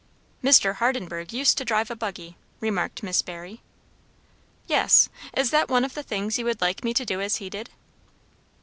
"Mr. Hardenburgh used to drive a buggy," remarked Miss Barry. "Yes. Is that one of the things you would like me to do as he did?"